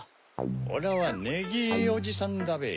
オラはネギーおじさんだべ。